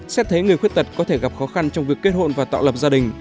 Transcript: xét thấy người khuyết tật có thể gặp khó khăn trong việc kết hộn và tạo lập gia đình